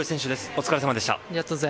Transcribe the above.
お疲れさまでした。